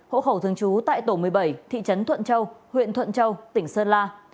hộ khẩu thường trú tại tổ một mươi bảy thị trấn thuận châu huyện thuận châu tỉnh sơn la